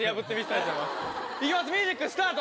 いきます、ミュージックスタート。